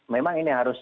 memang ini harus